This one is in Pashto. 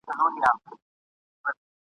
یا دي ولولم د میني زر لیکونه ..